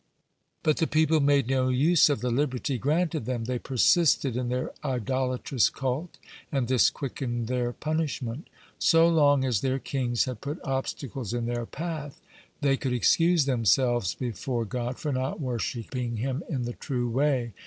But the people made no use of the liberty granted them. They persisted in their idolatrous cult, and this quickened their punishment. So long as their kings had put obstacles in their path, they could excuse themselves before God for not worshipping Him in the true way.